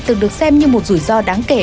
từng được xem như một rủi ro đáng kể